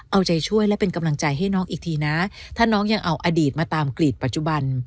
เอาใจช่วยและเป็นกำลังใจให้น้องอีกทีนะถ้าน้องยังเอาอดีตมาตามกลีดปัจจุบัน